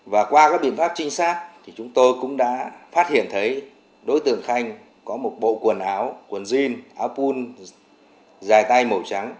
và qua các biện pháp trinh sát thì chúng tôi cũng đã phát hiện thấy đối tượng khanh có một bộ quần áo quần jean áo pun dài tay màu trắng